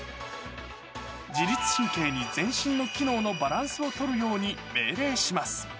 自律神経に全身の機能のバランスを取るように命令します。